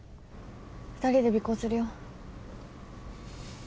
２人で尾行するよ。